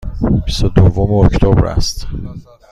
بیست و دوم اکتبر است.